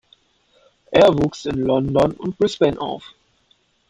Er wuchs in London und Brisbane auf.